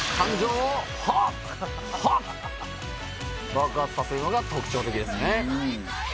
「爆発させるのが特徴的ですね」